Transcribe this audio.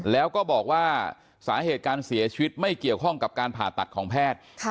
แล้วก็บอกว่าสาเหตุการเสียชีวิตไม่เกี่ยวข้องกับการผ่าตัดของแพทย์